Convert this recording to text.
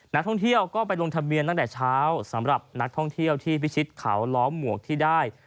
นักท่องเที่ยวก็ไปลงทะเบียนตั้งแต่เช้าสำหรับนักท่องเที่ยวที่พิชิตเขาล้อมหมวกที่ได้